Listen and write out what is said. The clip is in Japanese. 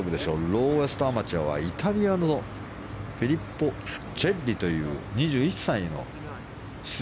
ローエストアマチュアはイタリアのフィリッポ・チェッリという２１歳。